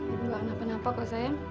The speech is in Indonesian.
ibu enggak kenapa kenapa kok sayang